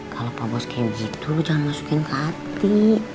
kalau pak bos kayak gitu lo jangan masukin ke hati